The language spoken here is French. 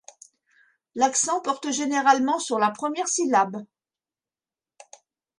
L'accent porte généralement sur la première syllabe.